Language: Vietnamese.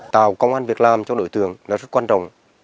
tạo công an việc làm cho đối tượng rất quan trọng